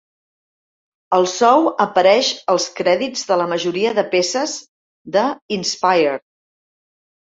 Alsou apareix als crèdits de la majoria de peces de "Inspired".